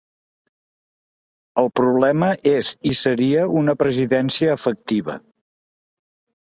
El problema és i seria una presidència efectiva.